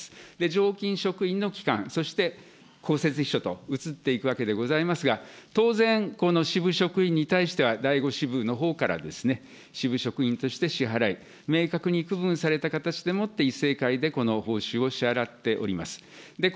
常勤職員の期間、そして公設秘書と移っていくわけでございますが、当然、この支部職員に対しては第５支部のほうから支部職員として支払い、明確に区分された形でもって以正会でこの報酬を支払っております。